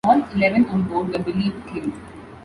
All eleven on board were believed killed.